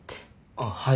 あっはい。